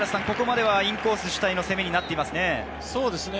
ここまではインコース主体の攻めになっていますね。